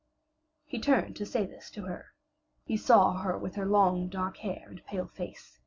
He turned to say this to her. He saw her with her long dark hair and pale face.